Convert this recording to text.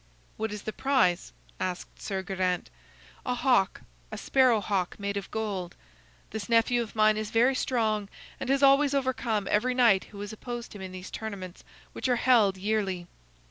"What is the prize?" asked Sir Geraint. "A hawk, a sparrow hawk made of gold. This nephew of mine is very strong and has always overcome every knight who has opposed him in these tournaments, which are held yearly.